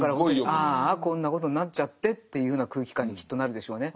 ああこんなことになっちゃってっていうふうな空気感にきっとなるでしょうね。